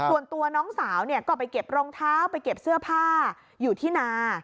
ส่วนตัวน้องสาวก็ไปเก็บรองเท้าไปเก็บเสื้อผ้าอยู่ที่นา